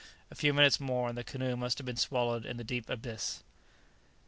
A few minutes more and the canoe must have been swallowed in the deep abyss.